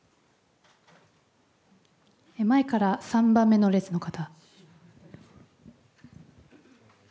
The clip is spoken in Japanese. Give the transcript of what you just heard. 前から３番目の列の方。